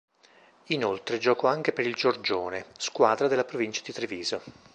Inoltre giocò anche per il Giorgione, squadra della Provincia di Treviso.